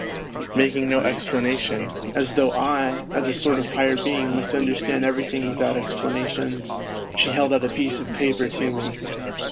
Making no explanation, as though I, as a sort of higher being, mtist understand everything without explanations, she held out a piece of paper to me.